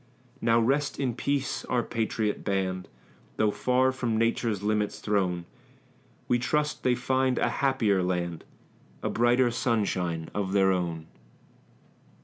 Now rest in peace, our patriot band; Though far from Nature's limits thrown, We trust they find a happier land, A brighter sunshine of their own.